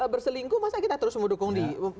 berselingkuh maksudnya kita terus mau dokong